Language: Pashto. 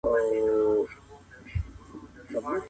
دغه حاجي دونه ښه دی چي هر څوک یې خوښوی.